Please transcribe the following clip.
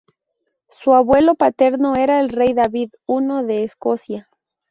Su abuelo paterno era el rey David I de Escocia.